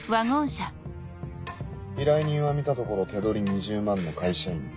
依頼人は見たところ手取り２０万の会社員。